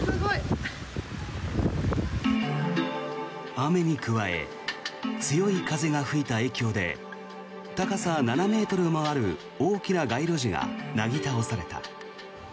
雨に加え強い風が吹いた影響で高さ７ｍもある大きな街路樹がなぎ倒された。